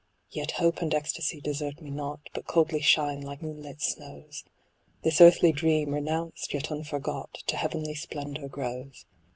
Yet hope and ecstasy desert me not, But coldly shine, like moonlit snows ; This earthly dream, renounced yet unforgot, To heavenly splendour grows.